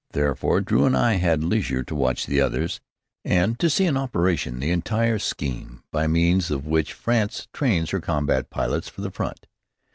Therefore Drew and I had leisure to watch the others, and to see in operation the entire scheme by means of which France trains her combat pilots for the front.